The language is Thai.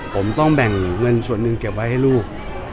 ผมต้องแบ่งเงินส่วนหนึ่งเก็บไว้ให้ลูก